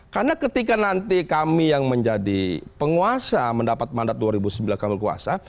karena ketika nanti kami yang menjadi penguasa mendapat mandat dua ribu sembilan kangul kuasa